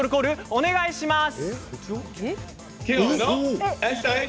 お願いします。